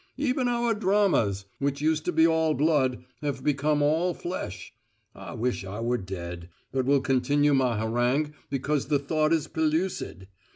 Even our dramas, which used to be all blood, have become all flesh. I wish I were dead but will continue my harangue because the thought is pellucid.